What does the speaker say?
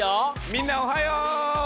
みんなおはよう！